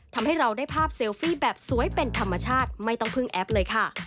ทำให้เราได้ภาพเซลฟี่แบบสวยเป็นธรรมชาติไม่ต้องพึ่งแอปเลยค่ะ